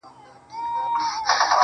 o ما او تا د وخت له ښايستو سره راوتي يـو.